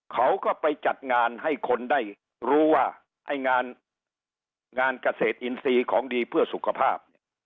เขาก็ไปจัดงานให้คนได้รู้ว่าไอ้งานงานเกษตรอินทรีย์ของดีเพื่อสุขภาพเนี่ย